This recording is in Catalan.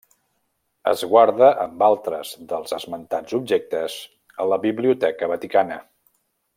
Es guarda amb altres dels esmentats objectes a la Biblioteca Vaticana.